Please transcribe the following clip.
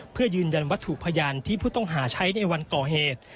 เพื่อยืนยันวัตถุพยานที่ผู้ต้องหาใช้ในวันก่อเหตุ